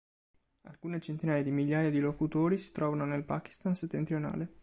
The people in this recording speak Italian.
Alcune centinaia di migliaia di locutori si trovano nel Pakistan settentrionale.